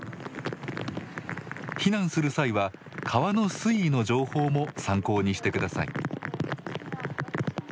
避難する際は川の水位の情報も参考にしてください。